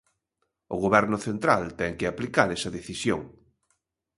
O Goberno central ten que aplicar esa decisión.